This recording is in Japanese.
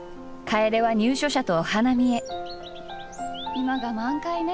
今が満開ネ。